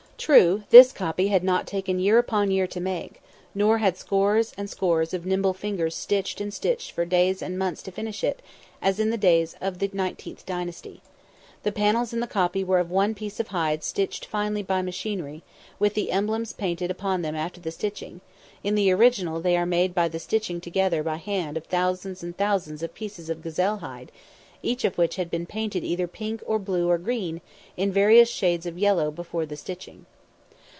True, this copy had not taken year upon year to make, nor had scores and scores of nimble fingers stitched and stitched for days and months to finish it, as in the days of the XIXth dynasty. The panels in the copy were of one piece of hide stitched finely by machinery, with the emblems painted upon them after the stitching; in the original they are made by the stitching together by hand of thousands and thousands of pieces of gazelle hide, each of which had been painted either pink or blue or green or in various shades of yellow before the stitching.